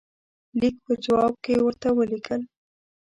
لیک په جواب کې ورته ولیکل.